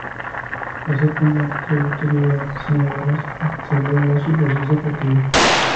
La sorprendente trayectoria de la diseñadora se debe a su proceso creativo.